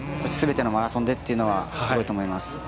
すべてのマラソンでというのはすごいと思います。